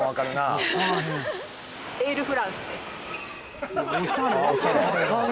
エールフランスです